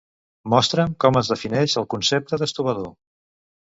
Mostra'm com es defineix el concepte d'estovador.